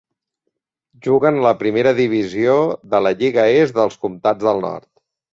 Juguen a la Primera Divisió de la Lliga Est dels Comtats del Nord.